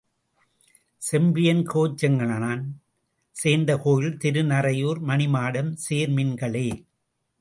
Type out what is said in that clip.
செம்பியன் கோச்செங்கணான் சேர்ந்த கோயில் திருநறையூர் மணிமாடம் சேர்மின்களே!